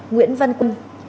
nguyễn văn cung